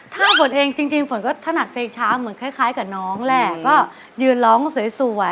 ท่าฝนเองจริงฝนก็ถนัดเพลงช้าเหมือนคล้ายกับน้องแหละ